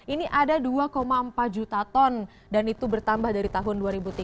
ini ada dua empat juta ton dan itu bertambah dari tahun dua ribu tiga belas